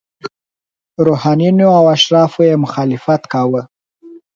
روحانینو او اشرافو یې مخالفت کاوه.